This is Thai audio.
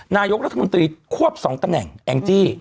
นายกรัฐมนตรีควบสองตะแหน่ง